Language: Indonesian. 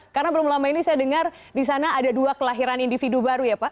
karena belum lama ini saya dengar di sana ada dua kelahiran individu baru ya pak